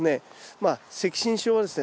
まあ赤芯症はですね